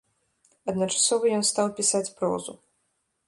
Адначасова ён стаў пісаць прозу.